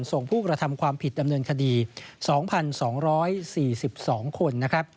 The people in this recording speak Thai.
ส่วนผู้กระทำความผิดดำเนินคดี๒๒๔๒คน